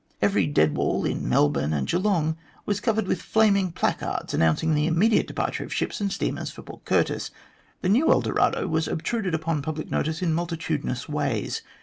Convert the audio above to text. Every dead wall in Melbourne and Geelong was covered with flaming placards announcing the immediate departure of ships and steamers for Port Curtis. The new El Dorado was obtruded upon public notice in multitudinous ways.